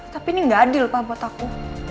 tapi ini nggak adil pak buat aku